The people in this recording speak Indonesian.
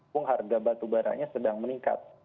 pun harga batubaranya sedang meningkat